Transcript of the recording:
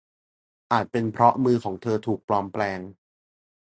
อาจเป็นเพราะมือของเธอถูกปลอมแปลง